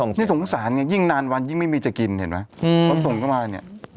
นี่สงสารไงยิ่งนานวันยิ่งไม่มีจะกินเห็นไหมเขาส่งเข้ามาเนี่ย